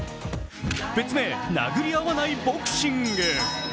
別名・殴り合わないボクシング。